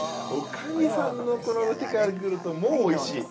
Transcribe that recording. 女将さんのこの手から来るともうおいしい。